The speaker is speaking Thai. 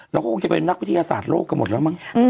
เราก็คงจะเป็นนักวิทยาศาสตร์โลกกันหมดแล้วมั้ง